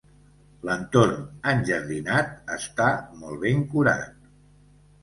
L'entorn enjardinat està molt ben curat.